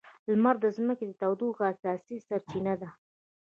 لمر د ځمکې د تودوخې اساسي سرچینه ده.